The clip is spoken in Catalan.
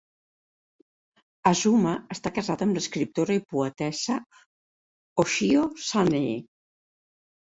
Azuma està casat amb l'escriptora i poetessa Hoshio Sanae.